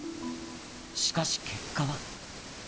しかし、結果は。